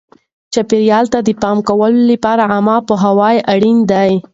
چاپیریال ته د پام کولو لپاره عامه پوهاوی اړین دی.